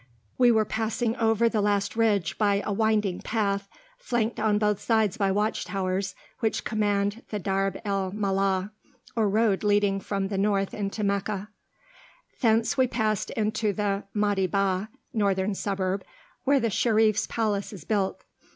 We were passing over the last ridge by a "winding path" flanked on both sides by watch towers, which command the "Darb el Maala," or road leading from the north into Meccah. Thence we passed into the Maabidah (northern suburb), where the Sherif's palace is built.